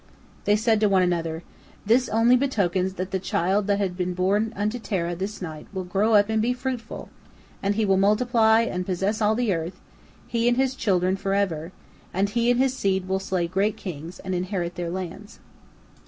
They said to one another: "This only betokens that the child that hath been born unto Terah this night will grow up and be fruitful, and he will multiply and possess all the earth, he and his children forever, and he and his seed will slay great kings and inherit their lands."